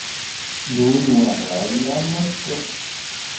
Yiwen n waɛrab yeɛmeṛ ssuq.